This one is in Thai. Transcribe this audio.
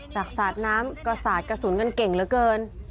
สาดน้ำก็สาดกระสุนกันเก่งเหลือเกิน